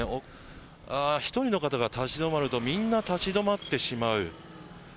１人の方が立ち止まるとみんな立ち止まってしまう。